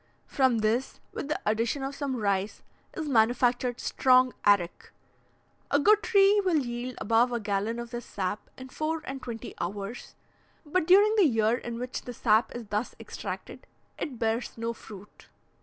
From this, with the addition of some rice, is manufactured strong arrack. A good tree will yield above a gallon of this sap in four and twenty hours, but during the year in which the sap is thus extracted, it bears no fruit.